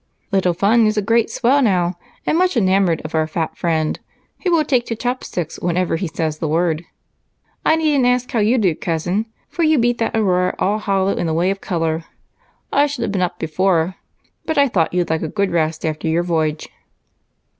"Little Fun is a great swell now, and much enamored of our fat friend, who will take to chopsticks whenever he says the word. I needn't ask how you do, Cousin, for you beat that Aurora all hollow in the way of color. I should have been up before, but I thought you'd like a good rest after your voyage."